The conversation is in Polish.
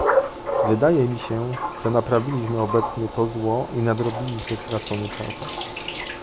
Wydaje mi się, że naprawiliśmy obecnie to zło i nadrobiliśmy stracony czas